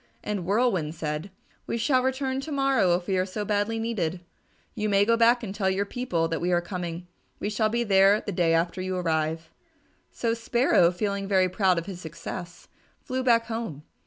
And Whirlwind said, "We shall return to morrow if we are so badly needed. You may go back and tell your people that we are coming. We shall be there the day after you arrive." So Sparrow, feeling very proud of his success, flew back home.